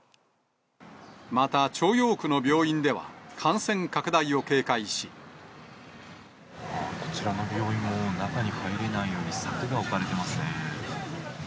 また朝陽区の病院では、こちらの病院も、中に入れないように柵が置かれてますね。